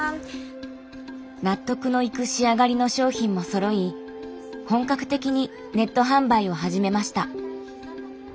納得のいく仕上がりの商品もそろい本格的にネット販売を始めました。